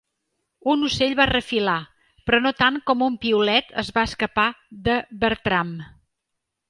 Un ocell va refilar, però no tant com un piulet es va escapar de Bertram.